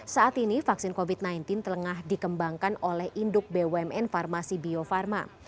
saat ini vaksin covid sembilan belas telengah dikembangkan oleh induk bumn farmasi bio farma